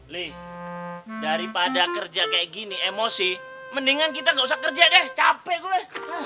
leh daripada kerja kayak gini emosi mendingan kita gak usah kerja deh capek gue